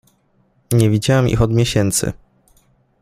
"Nie widziałem ich od miesięcy."